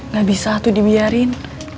gak bisa tuh dibiarin